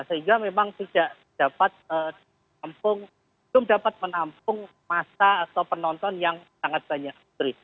sehingga memang tidak dapat menampung masa atau penonton yang sangat banyak